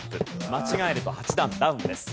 間違えれば８段ダウンです。